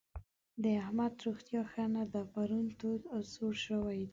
د احمد روغتيا ښه نه ده؛ پرون تود او سوړ شوی دی.